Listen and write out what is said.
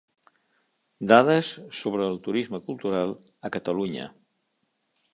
Dades sobre el turisme cultural a Catalunya.